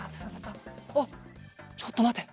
あっちょっとまて。